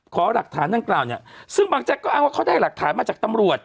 ขอหลักฐานดังกล่าวเนี่ยซึ่งบางแจ๊กก็อ้างว่าเขาได้หลักฐานมาจากตำรวจ